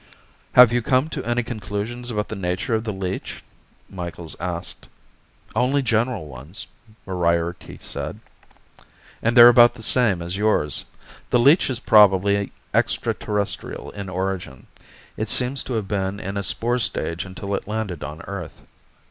"Have you come to any conclusions about the nature of the leech?" Micheals asked. "Only general ones," Moriarty said, "and they're about the same as yours. The leech is probably extraterrestrial in origin. It seems to have been in a spore stage until it landed on Earth."